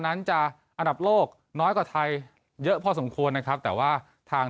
นั้นจะอันดับโลกน้อยกว่าไทยเยอะพอสมควรนะครับแต่ว่าทาง